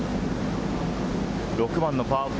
６番のパー４。